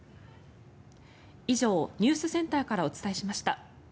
以上、ニュースセンターからお伝えしました。